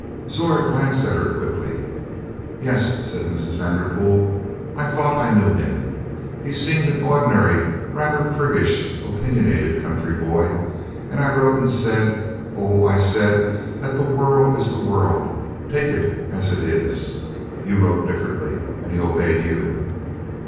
Zora glanced at her quickly. "Yes," said Mrs. Vanderpool. "I thought I knew him. He seemed an ordinary, rather priggish, opinionated country boy, and I wrote and said Oh, I said that the world is the world; take it as it is. You wrote differently, and he obeyed you."